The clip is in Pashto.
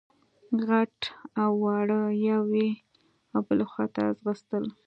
غټ او واړه يوې او بلې خواته ځغاستل.